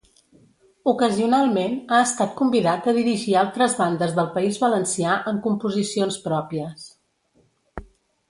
Ocasionalment ha estat convidat a dirigir altres bandes del País Valencià amb composicions pròpies.